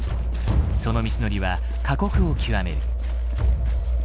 その道のりは過酷を極める。